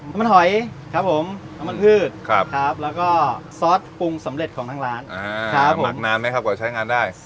น้ำมันหอยครับผมน้ำมันพืชแล้วก็ซอสปรุงสำเร็จของทางร้านครับหมักนานไหมครับกว่าใช้งานได้